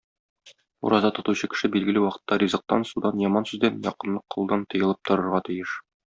Ураза тотучы кеше билгеле вакытта ризыктан, судан, яман сүздән, якынлык кылудан тыелып торырга тиеш.